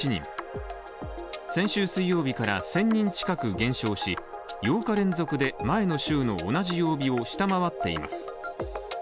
先週水曜日から１０００人近く減少し８日連続で前の週の同じ曜日を下回っています。